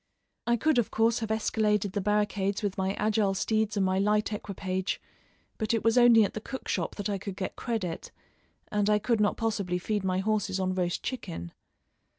I could of course have escaladed the barricades with my agile steeds and my light equipage, but it was only at the cook shop that I could get credit, and I could not possibly feed my horses on roast chicken.